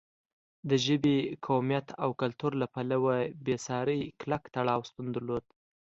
د ژبې، قومیت او کلتور له پلوه بېساری کلک تړاو شتون درلود.